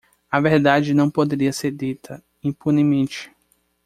A verdade não poderia ser dita impunemente.